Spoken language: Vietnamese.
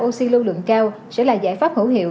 máy tạo oxy lưu lượng cao sẽ là giải pháp hữu hiệu